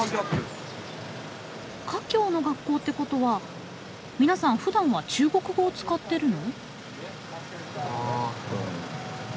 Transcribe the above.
華僑の学校ってことは皆さんふだんは中国語を使ってるの？